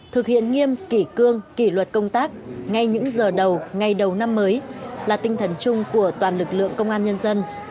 thực hiện nghiêm kỷ cương kỷ luật công tác ngay những giờ đầu ngày đầu năm mới là tinh thần chung của toàn lực lượng công an nhân dân